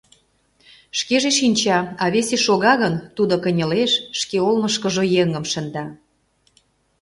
Шкеже шинча, а весе шога гын, тудо кынелеш, шке олмышкыжо еҥым шында.